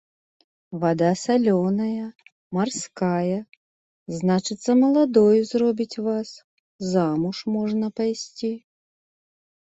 Вада салёная, марская, значыцца, маладою зробіць вас, замуж можна пайсці.